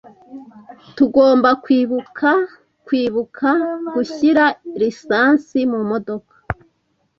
Tugomba kwibuka kwibuka gushyira lisansi mumodoka.